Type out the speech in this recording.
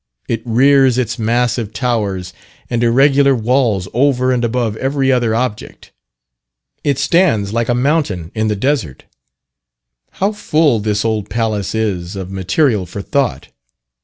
It rears its massive towers and irregular walls over and above every other object; it stands like a mountain in the desert. How full this old palace is of material for thought!